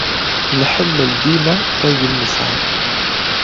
Nḥemmel dima ayen nesɛa.